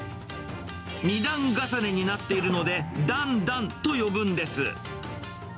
２段重ねになっているので、だんだんと呼ぶんです。